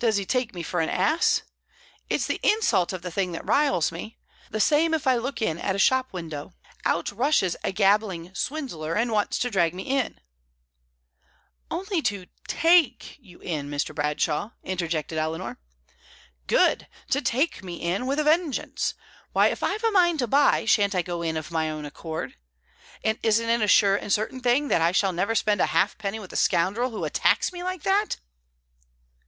Does he take me for an ass? It's the insult of the thing that riles me! The same if I look in at a shop window; out rushes a gabbling swindler, and wants to drag me in " "Only to take you in, Mr. Bradshaw," interjected Eleanor. "Good! To take me in, with a vengeance. Why, if I've a mind to buy, shan't I go in of my own accord? And isn't it a sure and certain thing that I shall never spend a halfpenny with a scoundrel who attacks me like that?"